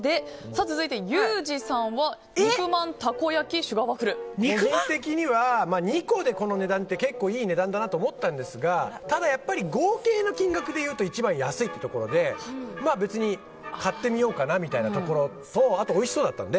続いて、ユージさんは肉まん、たこ焼き個人的には２個でこの値段って結構いい値段だなと思ったんですがただ、合計の金額でいうと一番安いというところで買ってみようかなというところとあと、おいしそうだったので。